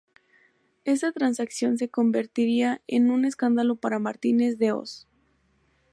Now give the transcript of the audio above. Esta transacción se convertiría en un escándalo para Martínez de Hoz.